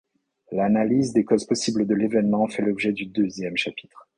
L’analyse des causes possibles de l’événement fait l’objet du deuxième chapitre.